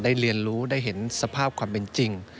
เรียนรู้ได้เห็นสภาพความเป็นจริง